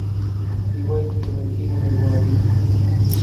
هیوای تینوێتی ڕێبواری